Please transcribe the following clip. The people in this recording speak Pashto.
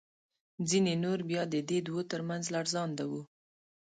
ځینې نور بیا د دې دوو تر منځ لړزانده وو.